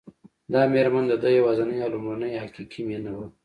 دا مېرمن د ده یوازېنۍ او لومړنۍ حقیقي مینه وه